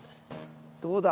どうだ？